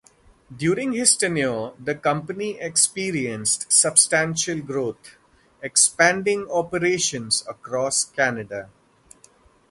During his tenure, the company experienced substantial growth, expanding operations across Canada.